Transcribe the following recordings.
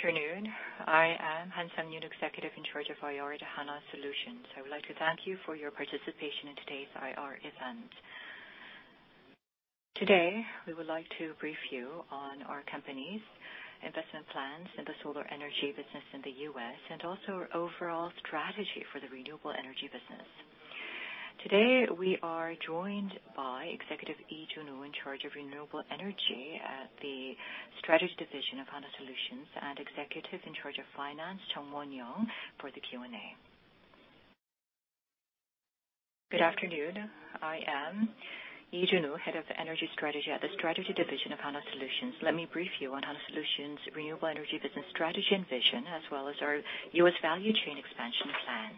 Afternoon. I am Han Sang-yoon, Executive in charge of IR at Hanwha Solutions. I would like to thank you for your participation in today's IR event. Today, we would like to brief you on our company's investment plans in the solar energy business in the U.S., and also our overall strategy for the renewable energy business. Today, we are joined by Executive Lee Junu in charge of renewable energy at the strategy division of Hanwha Solutions and Executive in charge of finance, Jung Wonhyoung for the Q&A. Good afternoon. I am Lee Junu, Head of energy strategy at the strategy division of Hanwha Solutions. Let me brief you on Hanwha Solutions renewable energy business strategy and vision, as well as our U.S. value chain expansion plan.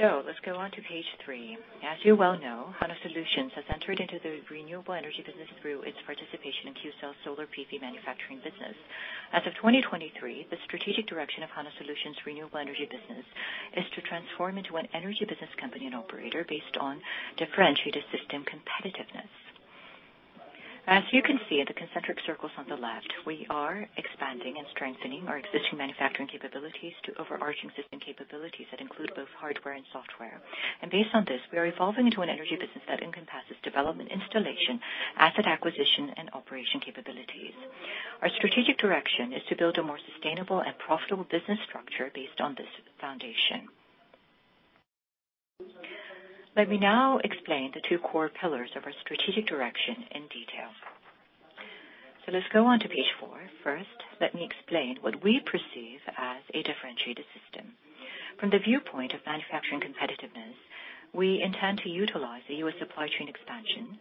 Let's go on to page three. As you well know, Hanwha Solutions has entered into the renewable energy business through its participation in Qcells solar PV manufacturing business. As of 2023, the strategic direction of Hanwha Solutions renewable energy business is to transform into an energy business company and operator based on differentiated system competitiveness. As you can see in the concentric circles on the left, we are expanding and strengthening our existing manufacturing capabilities to overarching system capabilities that include both hardware and software. Based on this, we are evolving into an energy business that encompasses development, installation, asset acquisition, and operation capabilities. Our strategic direction is to build a more sustainable and profitable business structure based on this foundation. Let me now explain the two core pillars of our strategic direction in detail. Let's go on to page four. First, let me explain what we perceive as a differentiated system. From the viewpoint of manufacturing competitiveness, we intend to utilize the U.S. supply chain expansion,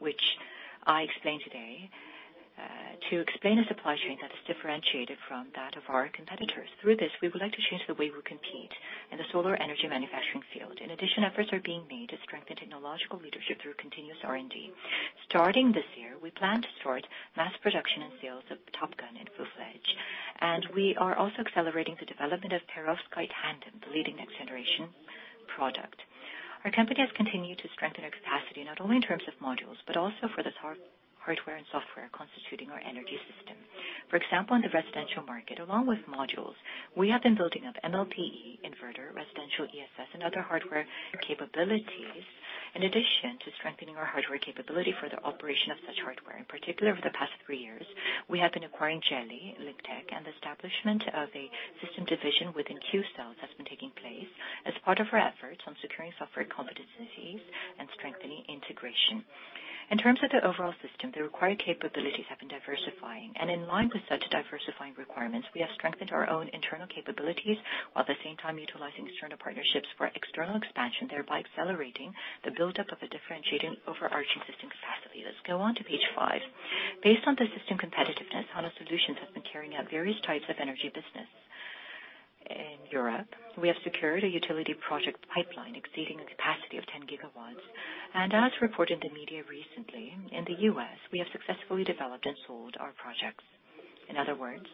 which I explained today, to explain a supply chain that is differentiated from that of our competitors. Through this, we would like to change the way we compete in the solar energy manufacturing field. In addition, efforts are being made to strengthen technological leadership through continuous R&D. Starting this year, we plan to start mass production and sales of TOPCon in full fledge, and we are also accelerating the development of perovskite tandem, the leading next generation product. Our company has continued to strengthen our capacity, not only in terms of modules, but also for the hardware and software constituting our energy system. For example, in the residential market, along with modules, we have been building up MLPE inverter, residential ESS and other hardware capabilities. In addition to strengthening our hardware capability for the operation of such hardware, in particular, over the past three years, we have been acquiring Geli, Lynqtech and the establishment of a system division within Qcells has been taking place as part of our efforts on securing software competencies and strengthening integration. In terms of the overall system, the required capabilities have been diversifying, and in line with such diversifying requirements, we have strengthened our own internal capabilities, while at the same time utilizing external partnerships for external expansion, thereby accelerating the buildup of a differentiating overarching system capacity. Let's go on to page five. Based on the system competitiveness, Hanwha Solutions has been carrying out various types of energy business. In Europe, we have secured a utility project pipeline exceeding a capacity of 10 GW. As reported in the media recently, in the U.S., we have successfully developed and sold our projects. In other words,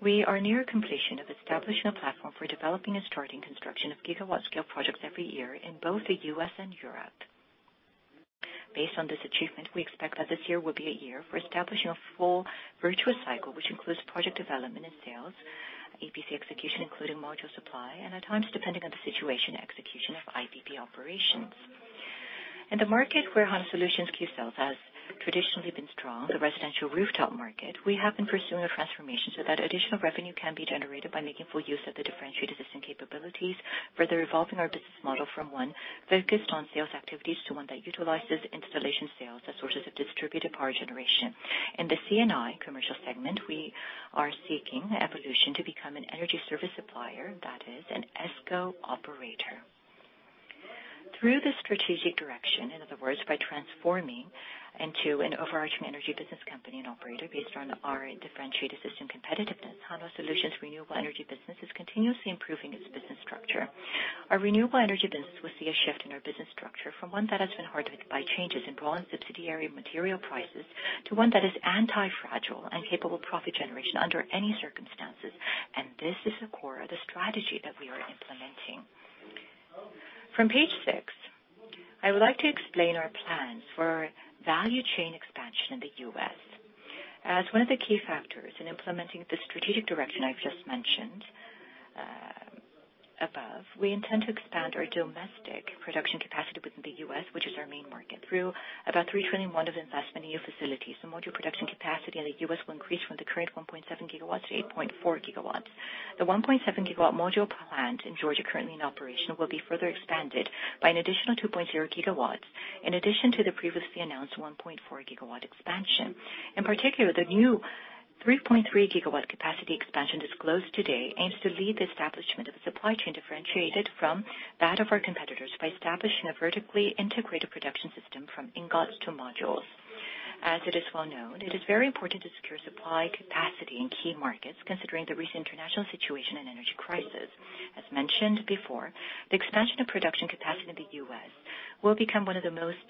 we are near completion of establishing a platform for developing and starting construction of gigawatt-scale projects every year in both the U.S. and Europe. Based on this achievement, we expect that this year will be a year for establishing a full virtuous cycle, which includes project development and sales, EPC execution, including module supply, and at times, depending on the situation, execution of IPP operations. In the market where Hanwha Solutions Qcells has traditionally been strong, the residential rooftop market, we have been pursuing a transformation so that additional revenue can be generated by making full use of the differentiated system capabilities, further evolving our business model from one focused on sales activities to one that utilizes installation sales as sources of distributed power generation. In the C&I commercial segment, we are seeking evolution to become an energy service supplier, that is an ESCO operator. Through the strategic direction, in other words, by transforming into an overarching energy business company and operator based on our differentiated system competitiveness, Hanwha Solutions renewable energy business is continuously improving its business structure. Our renewable energy business will see a shift in our business structure from one that has been hardened by changes in raw material prices to one that is anti-fragile and capable of profit generation under any circumstances. This is the core of the strategy that we are implementing. From page six, I would like to explain our plans for value chain expansion in the U.S. As one of the key factors in implementing the strategic direction I've just mentioned above, we intend to expand our domestic production capacity within the U.S., which is our main market, through about 3 trillion of investment in new facilities. The module production capacity in the U.S. will increase from the current 1.7 GW to 8.4 GW. The 1.7 GW module plant in Georgia currently in operation will be further expanded by an additional 2.0 GW in addition to the previously announced 1.4 GW expansion. In particular, the new 3.3 GW capacity expansion disclosed today aims to lead the establishment of a supply chain differentiated from that of our competitors by establishing a vertically integrated production system from ingots to modules. As it is well known, it is very important to secure supply capacity in key markets considering the recent international situation and energy crisis. As mentioned before, the expansion of production capacity in the U.S. will become one of the most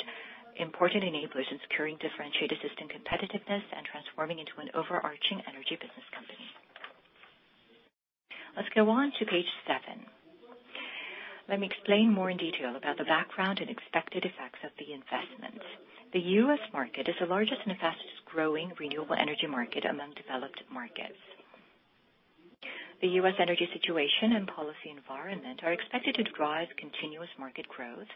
important enablers in securing differentiated system competitiveness and transforming into an overarching energy business. Let's go on to page seven. Let me explain more in detail about the background and expected effects of the investment. The U.S. market is the largest and fastest growing renewable energy market among developed markets. The U.S. energy situation and policy environment are expected to drive continuous market growth.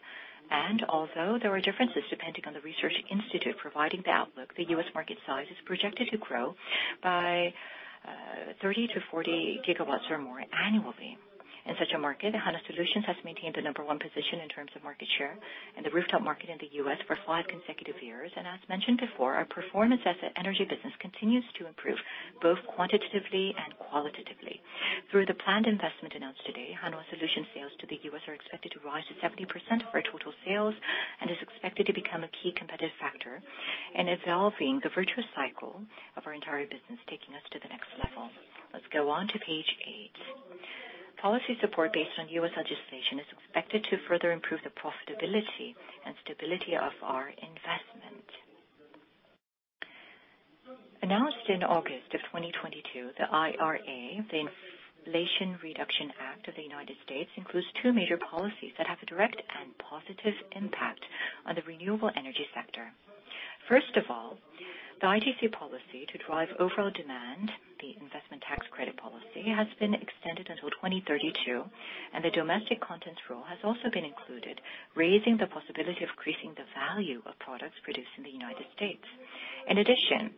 Although there are differences depending on the research institute providing the outlook, the U.S. market size is projected to grow by 30 GW-40 GW or more annually. In such a market, Hanwha Solutions has maintained the number one position in terms of market share in the rooftop market in the U.S. for five consecutive years. As mentioned before, our performance as an energy business continues to improve, both quantitatively and qualitatively. Through the planned investment announced today, Hanwha Solutions sales to the U.S. are expected to rise to 70% of our total sales, is expected to become a key competitive factor in evolving the virtuous cycle of our entire business, taking us to the next level. Let's go on to page eight. Policy support based on U.S. legislation is expected to further improve the profitability and stability of our investment. Announced in August of 2022, the IRA, the Inflation Reduction Act of the United States, includes two major policies that have a direct and positive impact on the renewable energy sector. First of all, the ITC policy to drive overall demand, the investment tax credit policy, has been extended until 2032, and the domestic content rule has also been included, raising the possibility of increasing the value of products produced in the U.S. In addition,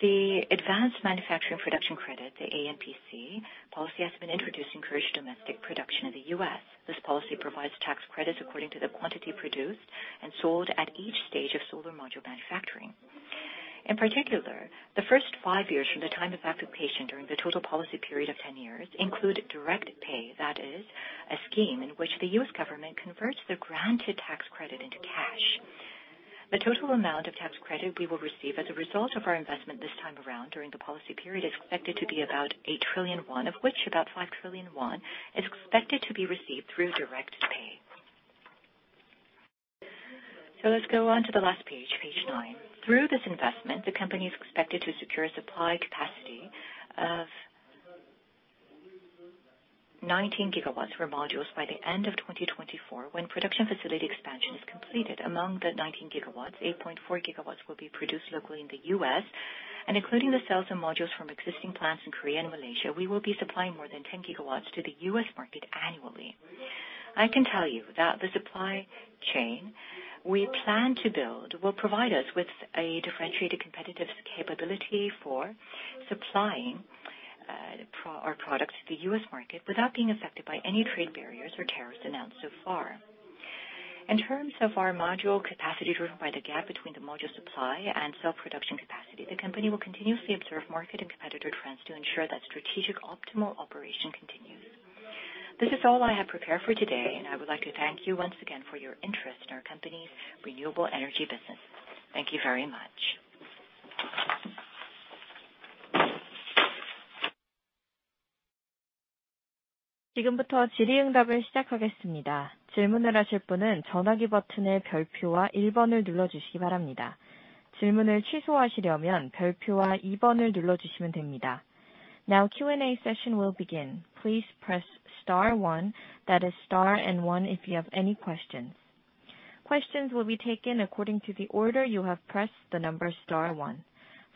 the Advanced Manufacturing Production Credit, the AMPC policy, has been introduced to encourage domestic production in the U.S. This policy provides tax credits according to the quantity produced and sold at each stage of solar module manufacturing. In particular, the first five years from the time of application during the total policy period of 10 years include direct pay, that is, a scheme in which the U.S. government converts the granted tax credit into cash. The total amount of tax credit we will receive as a result of our investment this time around during the policy period is expected to be about 8 trillion won, of which about 5 trillion won is expected to be received through direct pay. Let's go on to the last page nine. Through this investment, the company is expected to secure supply capacity of 19 GW for modules by the end of 2024, when production facility expansion is completed. Among the 19 GW, 8.4 GW will be produced locally in the U.S. Including the cells and modules from existing plants in Korea and Malaysia, we will be supplying more than 10 GW to the U.S. market annually. I can tell you that the supply chain we plan to build will provide us with a differentiated competitive capability for supplying our products to the U.S. market without being affected by any trade barriers or tariffs announced so far. In terms of our module capacity, driven by the gap between the module supply and cell production capacity, the company will continuously observe market and competitor trends to ensure that strategic optimal operation continues. This is all I have prepared for today. I would like to thank you once again for your interest in our company's renewable energy business. Thank you very much. Q&A session will begin. Please press star one. That is star and one if you have any questions. Questions will be taken according to the order you have pressed the number star one.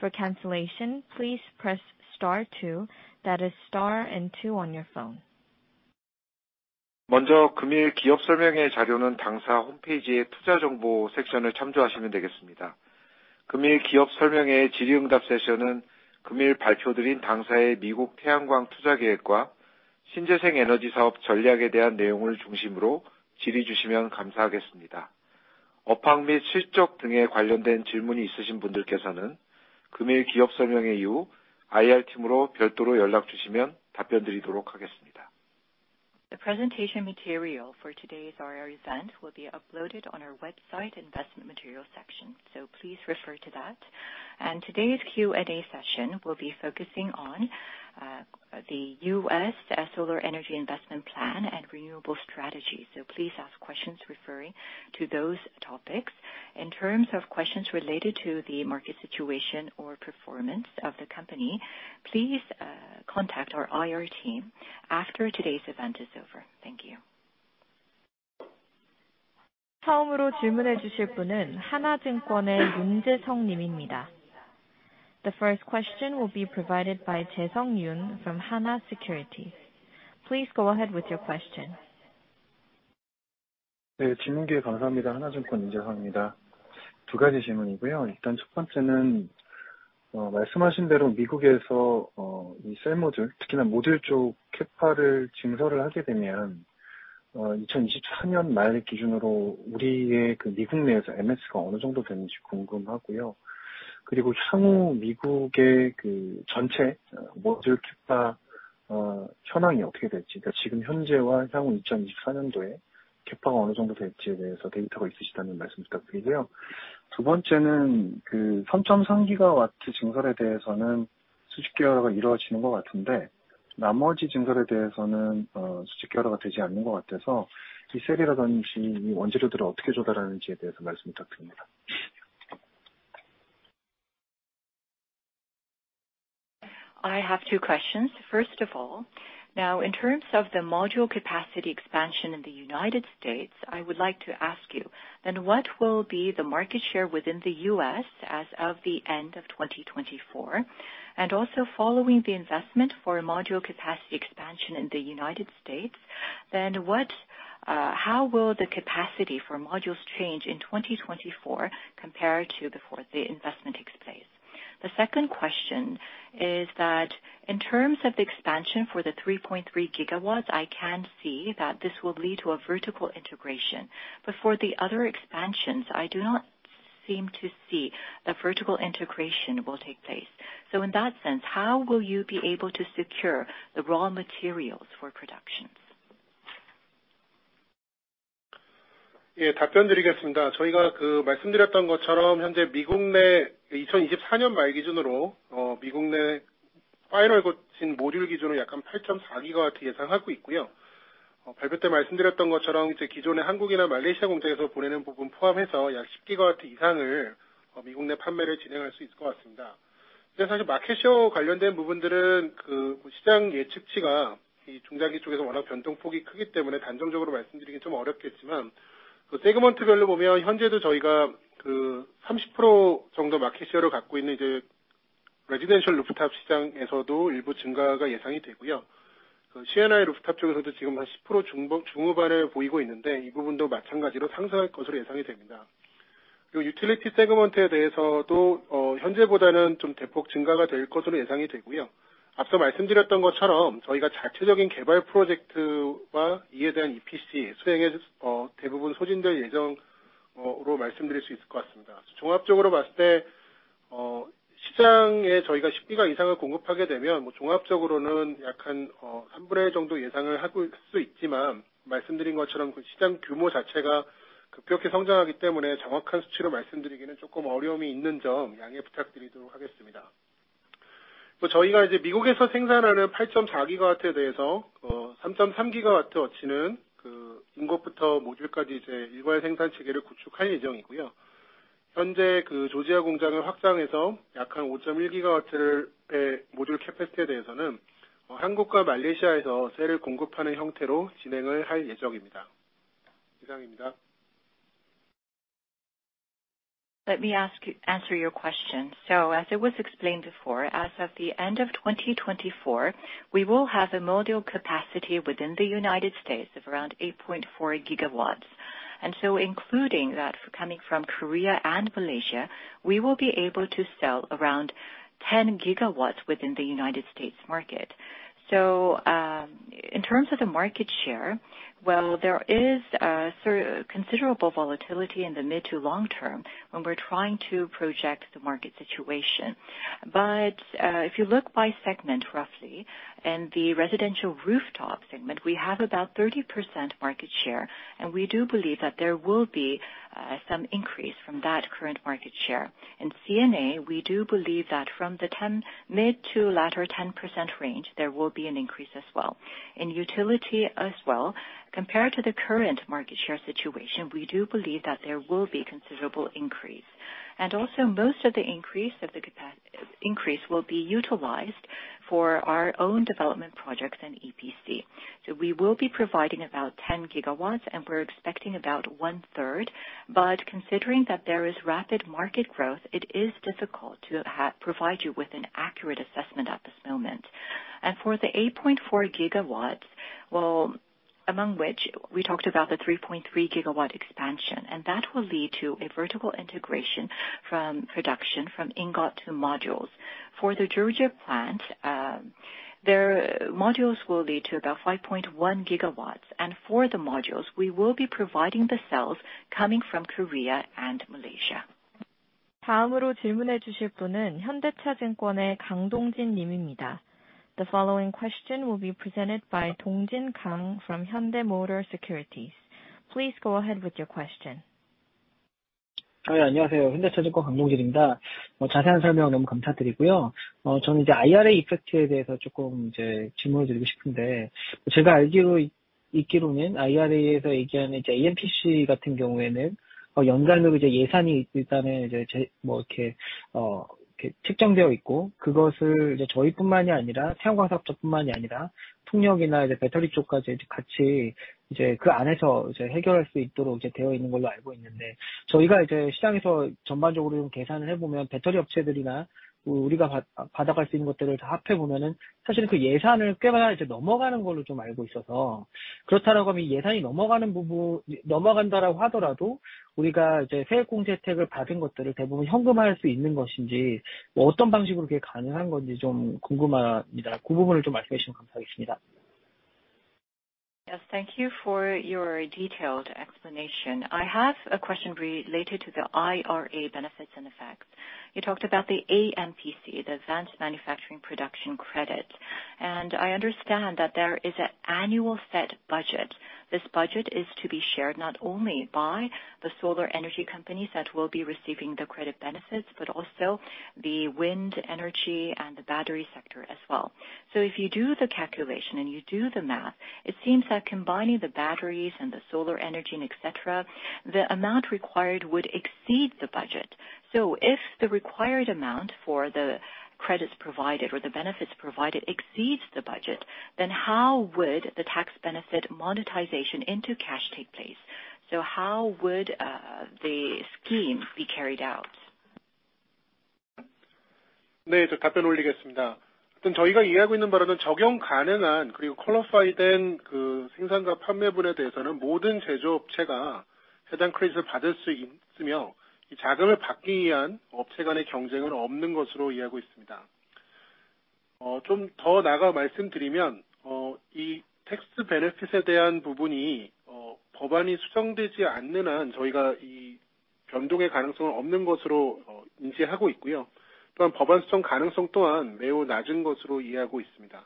For cancellation, please press star two. That is star and two on your phone. The presentation material for today's IR event will be uploaded on our website investment materials section. Please refer to that. Today's Q&A session will be focusing on the U.S. Solar energy investment plan and renewable strategy. Please ask questions referring to those topics. In terms of questions related to the market situation or performance of the company, please contact our IR team after today's event is over. Thank you. The first question will be provided by Yoon Jae-sung from Hana Securities. Please go ahead with your question. Thank you. I have two questions. First of all, now in terms of the module capacity expansion in the United States, I would like to ask you then what will be the market share within the U.S. as of the end of 2024? Also following the investment for module capacity expansion in the United States, then what, how will the capacity for modules change in 2024 compared to before the investment takes place? The second question is that in terms of the expansion for the 3.3 GW, I can see that this will lead to a vertical integration, but for the other expansions, I do not seem to see the vertical integration will take place. In that sense, how will you be able to secure the raw materials for productions? Yes. Let me answer your question. As it was explained before, as of the end of 2024, we will have a module capacity within the United States of around 8.4 GW. Including that coming from Korea and Malaysia, we will be able to sell around 10 GW within the United States market. In terms of the market share, well, there is considerable volatility in the mid to long term when we're trying to project the market situation. If you look by segment roughly, in the residential rooftop segment, we have about 30% market share, and we do believe that there will be some increase from that current market share. In C&I, we do believe that from the 10 mid to latter 10% range, there will be an increase as well. In utility as well, compared to the current market share situation, we do believe that there will be considerable increase. Also most of the increase of the capac-increase will be utilized for our own development projects and EPC. We will be providing about 10 GW and we're expecting about 1/3. Considering that there is rapid market growth, it is difficult to have, provide you with an accurate assessment at this moment. For the 8.4 GW, well, among which we talked about the 3.3 GW expansion, and that will lead to a vertical integration from production from ingot to modules. For the Georgia plant, their modules will lead to about 5.1 gigawatts. For the modules we will be providing the cells coming from Korea and Malaysia. The following question will be presented by Dong-jin Kang from Hyundai Motor Securities. Please go ahead with your question. Yes, thank you for your detailed explanation. I have a question related to the IRA benefits and effects. You talked about the AMPC, the Advanced Manufacturing Production Credit, and I understand that there is an annual set budget. This budget is to be shared not only by the solar energy companies that will be receiving the credit benefits, but also the wind energy and the battery sector as well. If you do the calculation and you do the math, it seems that combining the batteries and the solar energy and et cetera, the amount required would exceed the budget. If the required amount for the credits provided or the benefits provided exceeds the budget, then how would the tax benefit monetization into cash take place? How would the scheme be carried out?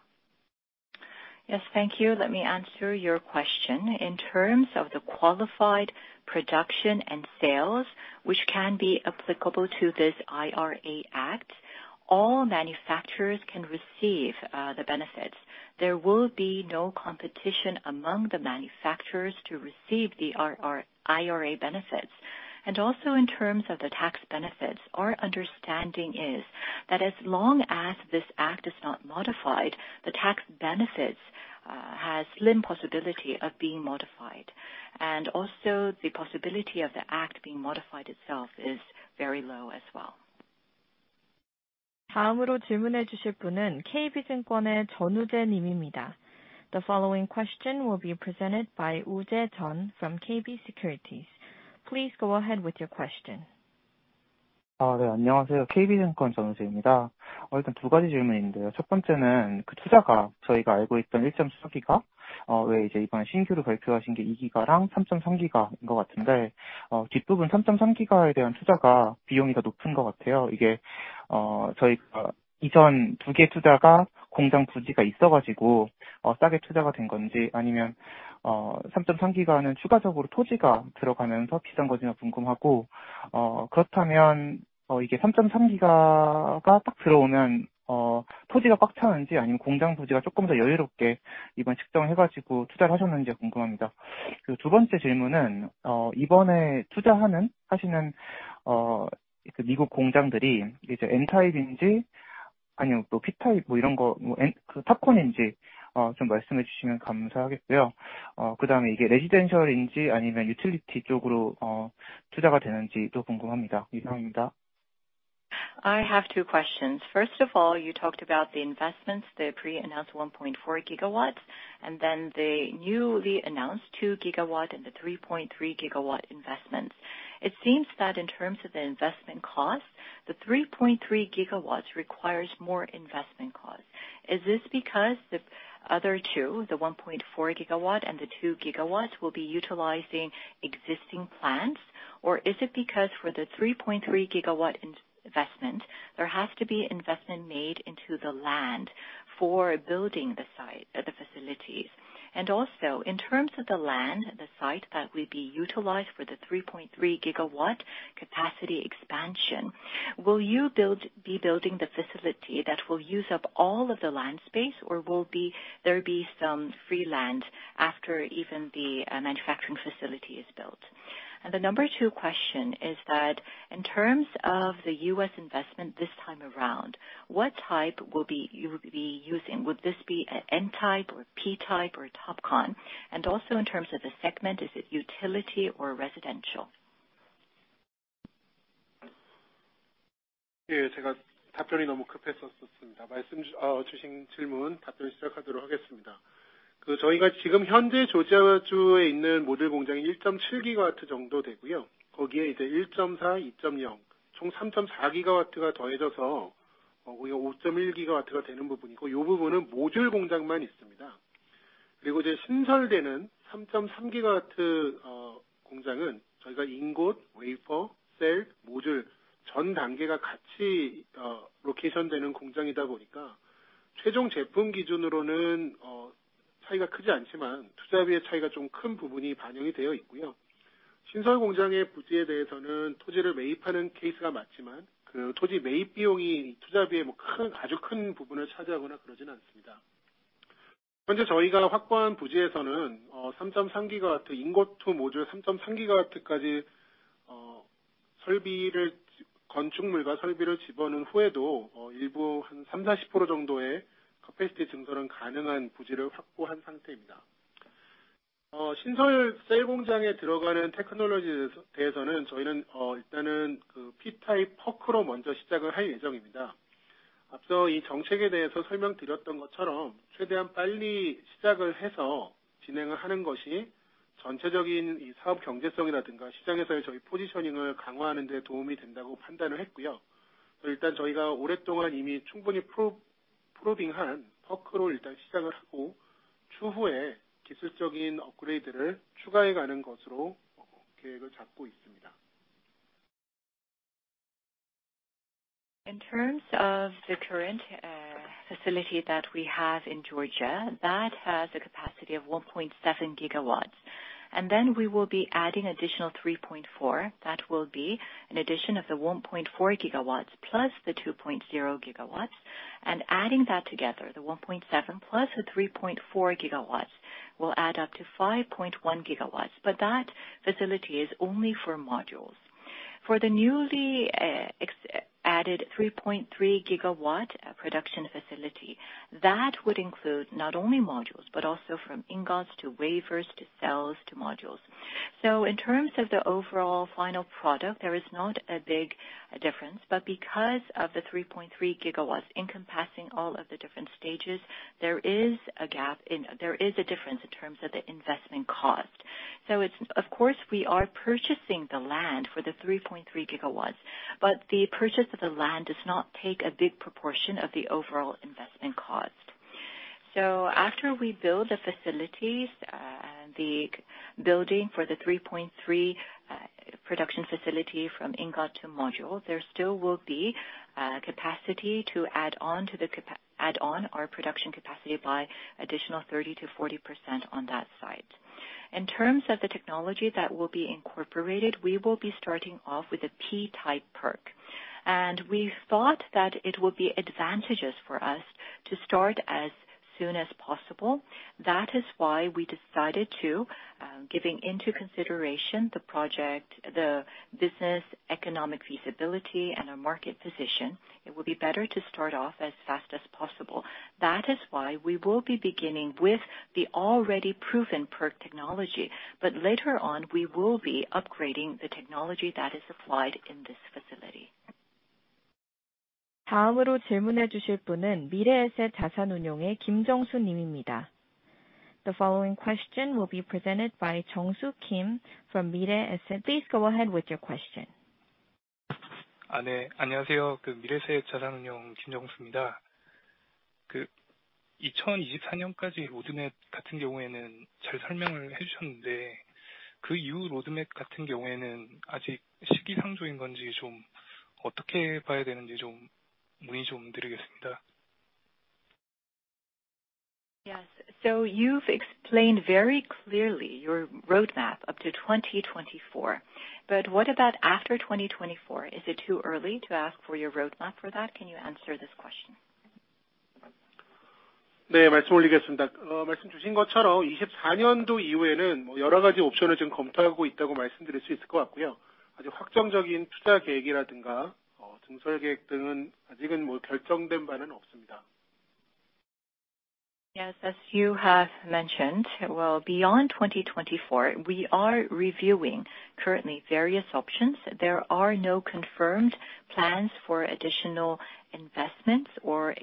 Yes, thank you. Let me answer your question.In terms of the qualified production and sales, which can be applicable to this IRA, all manufacturers can receive the benefits. There will be no competition among the manufacturers to receive the IRA benefits. In terms of the tax benefits, our understanding is that as long as this act is not modified, the tax benefits has slim possibility of being modified. The possibility of the act being modified itself is very low as well. The following question will be presented by Uktae Jeon from KB Securities. Please go ahead with your question. Uh, I have two questions. First of all, you talked about the investments, the pre-announced 1.4 GW, and then the newly announced 2 GW and the 3.3 GW investments. It seems that in terms of the investment cost, the 3.3 GW requires more investment cost. Is this because the other two, the 1.4 GW and the 2 GW, will be utilizing existing plants, or is it because for the 3.3 GW investment, there has to be investment made into the land for building the site, the facilities? Also in terms of the land, the site that will be utilized for the 3.3 GW capacity expansion, will you be building the facility that will use up all of the land space, or will there be some free land after even the manufacturing facility is built? The number two question is that in terms of the U.S. investment this time around, what type you will be using? Would this be an N-type or P-type or TOPCon? Also in terms of the segment, is it utility or residential? In terms of the current facility that we have in Georgia, that has a capacity of 1.7 GW, and then we will be adding additional 3.4 GW. That will be an addition of the 1.4 GW + 2.0 gigawatts. Adding that together, the 1.7 GW + 3.4 GW will add up to 5.1 GW, but that facility is only for modules. For the newly added 3.3 GW production facility, that would include not only modules but also from ingots to wafers, to cells, to modules. In terms of the overall final product, there is not a big difference, but because of the 3.3 GW encompassing all of the different stages, there is a difference in terms of the investment cost. It's, of course, we are purchasing the land for the 3.3 GW, but the purchase of the land does not take a big proportion of the overall investment cost. After we build the facilities, the building for the 3.3 GW production facility from ingot to module, there still will be capacity to add on our production capacity by additional 30%-40% on that site. In terms of the technology that will be incorporated, we will be starting off with a P-type PERC, and we thought that it would be advantageous for us to start as soon as possible. That is why we decided to, giving into consideration the project, the business economic feasibility and our market position. It would be better to start off as fast as possible. That is why we will be beginning with the already proven PERC technology. Later on we will be upgrading the technology that is applied in this facility. The following question will be presented by Jung Soo Kim from Mirae Asset. Please go ahead with your question. Yes. You've explained very clearly your roadmap up to 2024, what about after 2024? Is it too early to ask for your roadmap for that? Can you answer this question? Yes. As you have mentioned, well, beyond 2024, we are reviewing currently various options. There are no confirmed plans for additional investments or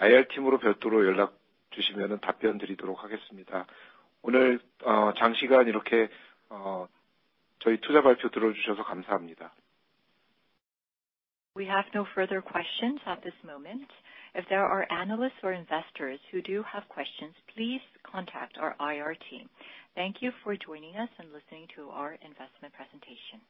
expansion of capacities at this point beyond 2024. We have no further questions at this moment. If there are analysts or investors who do have questions, please contact our IR team. Thank you for joining us and listening to our investment presentation.